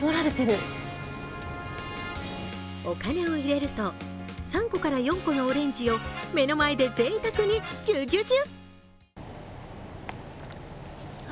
お金を入れると、３４個のオレンジを、目の前でぜいたくに、ぎゅぎゅぎゅ！